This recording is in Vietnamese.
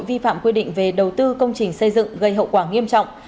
vi phạm quy định về đầu tư công trình xây dựng gây hậu quả nghiêm trọng